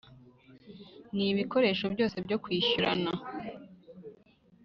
n ibikoresho byose byo kwishyurana